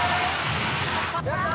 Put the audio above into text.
やった！